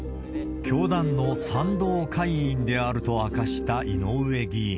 教団の賛同会員であると明かした井上議員。